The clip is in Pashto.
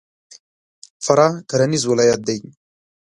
فراه کرهنیز ولایت دی.